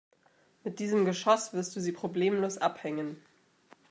Mit diesem Geschoss wirst du sie problemlos abhängen.